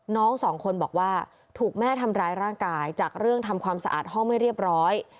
น้องสองคนบอกว่าถูกแม่ทำร้ายร่างกายจากเรื่องทำความสะอาดห้องไม่เรียบร้อย